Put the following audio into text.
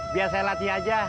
biar saya latih aja